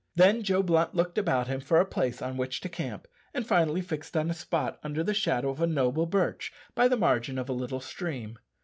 Then Joe Blunt looked about him for a place on which to camp, and finally fixed on a spot under the shadow of a noble birch by the margin of a little stream.